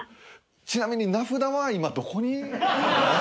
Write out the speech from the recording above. ちなみに名札は今どこに。